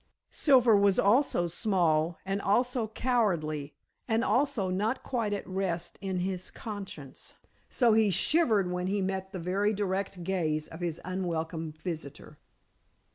Silver was also small, and also cowardly, and also not quite at rest in his conscience, so he shivered when he met the very direct gaze of his unwelcome visitor.